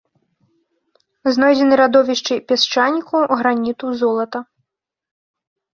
Знойдзены радовішчы пясчаніку, граніту, золата.